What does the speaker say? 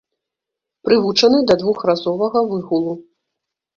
Прывучаны да двухразовага выгулу.